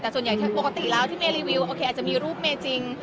แต่ปกติแล้วที่เมร์รีวิวอาจจะมีรูปเมร์จริง